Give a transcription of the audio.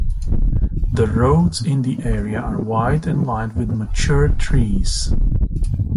The roads in the area are wide and lined with mature trees.